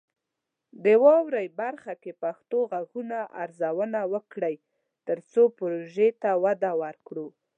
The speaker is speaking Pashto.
د "واورئ" برخه کې پښتو غږونه ارزونه وکړئ، ترڅو پروژې ته وده ورکړو.